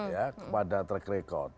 ya kepada track record